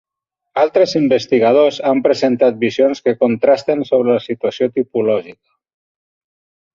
Altres investigadors han presentat visions que contrasten sobre la situació tipològica.